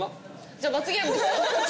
じゃあ罰ゲームですよ？